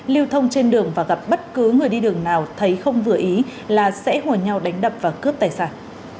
lưu thông trên đường và gặp bất cứ người đi đường nào thấy không vừa ý là sẽ hồi nhau đánh đập và cướp tài sản